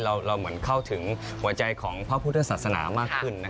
เราเหมือนเข้าถึงหัวใจของพระพุทธศาสนามากขึ้น